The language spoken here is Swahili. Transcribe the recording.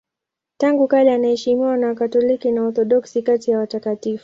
Tangu kale anaheshimiwa na Wakatoliki na Waorthodoksi kati ya watakatifu.